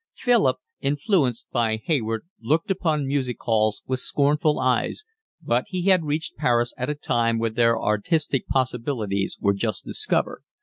Philip, influenced by Hayward, looked upon music halls with scornful eyes, but he had reached Paris at a time when their artistic possibilities were just discovered.